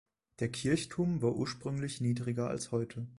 Der Kirchturm war ursprünglich niedriger als heute.